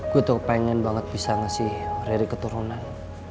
gue tuh pengen banget bisa ngasih rary keturunan